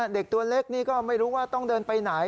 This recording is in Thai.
เด็กตัวเล็กนี่ก็ไม่รู้ว่าต้องเดินไปไหน